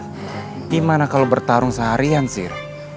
gimana kalau bertarung seharian sihr